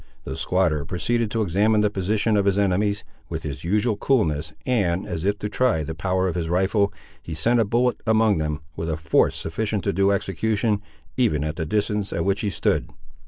The squatter proceeded to examine the position of his enemies, with his usual coolness, and, as if to try the power of his rifle, he sent a bullet among them, with a force sufficient to do execution, even at the distance at which he stood.